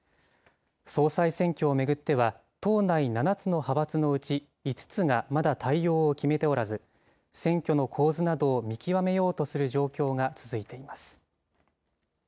総裁選挙を巡っては、党内７つの派閥のうち、５つがまだ対応を決めておらず、選挙の構図などを見極めようとする状況が続いています。